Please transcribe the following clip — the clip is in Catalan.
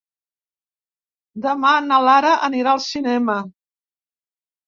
Demà na Lara anirà al cinema.